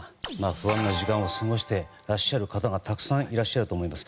不安な時間を過ごしてらっしゃる方がたくさんいらっしゃると思います。